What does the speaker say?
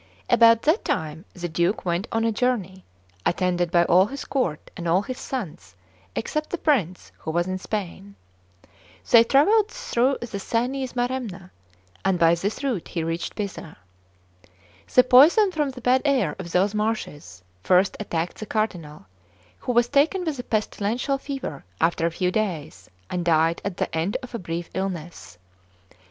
CXIII ABOUT that time the Duke went on a journey, attended by all his court and all his sons, except the prince, who was in Spain. They travelled through the Sienese Maremma, and by this route he reached Pisa. The poison from the bad air of those marshes first attacked the Cardinal, who was taken with a pestilential fever after a few days, and died at the end of a brief illness.